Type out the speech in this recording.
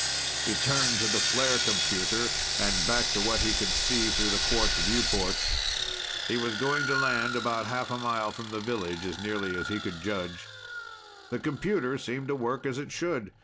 He turned to the flare computer and back to what he could see through the quartz viewport. He was going to land about half a mile from the village, as nearly as he could judge. The computer seemed to work as it should.